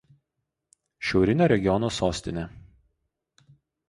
Šiaurinio regiono sostinė.